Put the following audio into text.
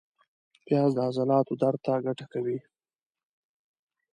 پیاز د عضلاتو درد ته ګټه کوي